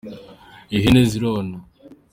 ihene zirona.